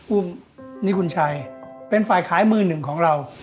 อุ้มนี่คุณชัยเป็นฝ่ายขายมือหนึ่งของเรา